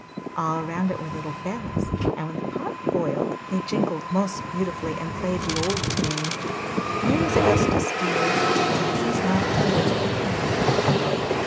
All round it were little bells, and when the pot boiled they jingled most beautifully and played the old tune 'Where is Augustus dear? Alas! he's not here, here, here!